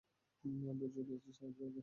বুঝিয়ে দিয়েছিস মেয়েকে?